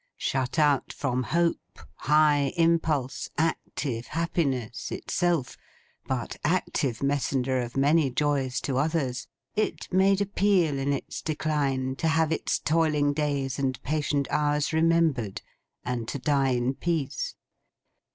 Shut out from hope, high impulse, active happiness, itself, but active messenger of many joys to others, it made appeal in its decline to have its toiling days and patient hours remembered, and to die in peace.